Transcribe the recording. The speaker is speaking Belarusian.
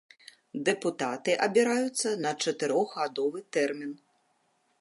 Дэпутаты абіраюцца на чатырохгадовы тэрмін.